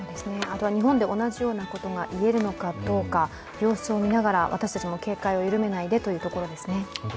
あとは日本で同じようなことがいえるのかどうか、様子を見ながら、私たちも警戒を緩めないでというところですね。